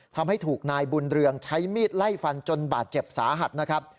ทำให้ถูกนายบุญเรืองใช้มีดไล่ฟันจนบาดเจ็บสาหัสนะครับ